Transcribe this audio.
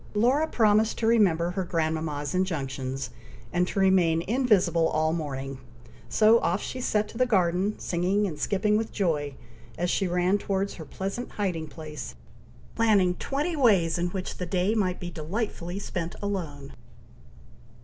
Laura promised to remember her grandmama's injunctions, and to remain invisible all morning; so off she set to the garden, singing and skipping with joy, as she ran towards her pleasant hiding place, planning twenty ways in which the day might be delightfully spent alone.